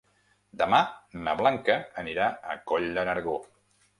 Demà na Blanca anirà a Coll de Nargó.